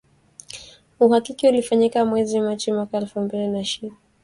Uhakiki ulifanyika mwezi Machi mwaka elfu mbili na ishirini na mbili